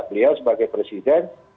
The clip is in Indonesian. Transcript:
beliau sebagai presiden